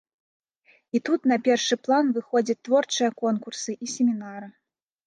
І тут на першы план выходзяць творчыя конкурсы і семінары.